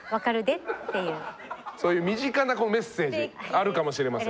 そういう身近なメッセージあるかもしれません。